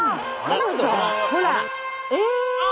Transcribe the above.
え！